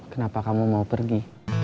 kenapa kamu mau pergi